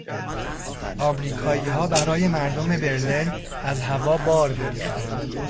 امریکاییها برای مردم برلن از هوا بار میریختند.